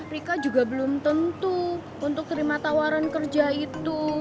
rika juga belum tentu untuk terima tawaran kerja itu